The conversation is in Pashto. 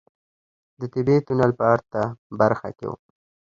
د طبيعي تونل په ارته برخه کې و.